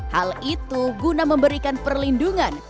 hal itu guna memberikan perlindungan